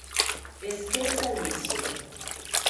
Esqueça isso